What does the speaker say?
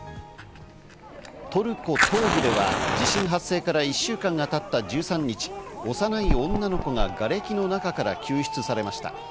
トルコ東部では地震発生から１週間がたった１３日、幼い女の子ががれきの中から救出されました。